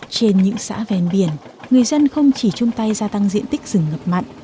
trên những xã ven biển người dân không chỉ chung tay gia tăng diện tích rừng ngập mặn